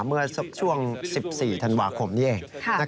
เมื่อสักช่วง๑๔ธันวาคมนี้เอง